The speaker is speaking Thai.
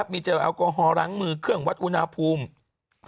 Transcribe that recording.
มีเจลแอลกอฮอลล้างมือเครื่องวัดอุณหภูมิ